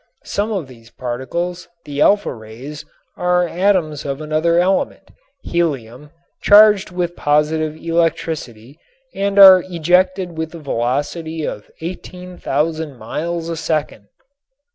Some of these particles, the alpha rays, are atoms of another element, helium, charged with positive electricity and are ejected with a velocity of 18,000 miles a second.